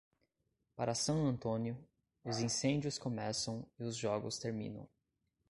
Para San Antonio, os incêndios começam e os jogos terminam.